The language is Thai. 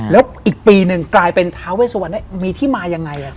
แล้วอีกปีหนึ่งกลายเป็นท้าเวสวรรณมีที่มายังไง